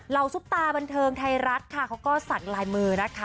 เหล่าซุปตาบันเทิงไทยรัฐค่ะเขาก็สั่งไลน์มือนะคะ